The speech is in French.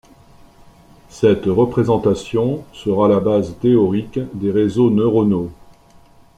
Cette représentation sera la base théorique des réseaux neuronaux.